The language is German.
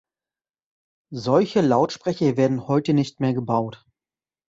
Solche Lautsprecher werden heute nicht mehr gebaut.